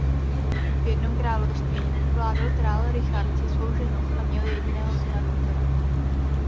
V jednom království vládl král Richard se svou ženou a měli jediného syna Viktora.